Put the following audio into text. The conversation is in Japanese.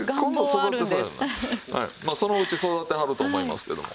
まあそのうち育てはると思いますけども。